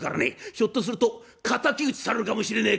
ひょっとすると敵討ちされるかもしれねえ」。